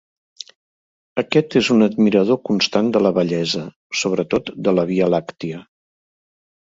Aquest és un admirador constant de la bellesa, sobretot de la Via Làctia.